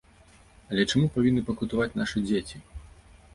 Але чаму павінны пакутаваць нашы дзеці?